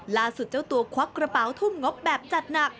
เจ้าตัวควักกระเป๋าทุ่มงบแบบจัดหนัก